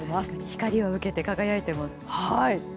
光を受けて輝いてます。